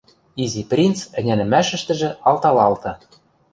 Изи принц ӹнянӹмӓшӹштӹжӹ алталалты.